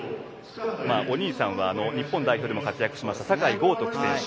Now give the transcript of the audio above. お兄さんは日本代表でも活躍しました酒井高徳選手。